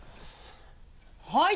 はい！